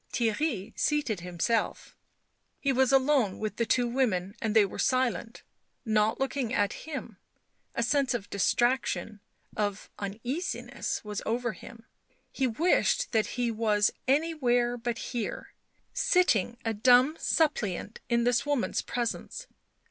Theirry seated himself ; he was alone with the two women and they were silent, not looking at him; a sense of distraction, of uneasiness was over him — he wished that he was anywhere but here, sitting a dumb suppliant in this woman's presence.